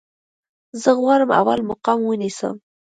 زه غواړم اول مقام ونیسم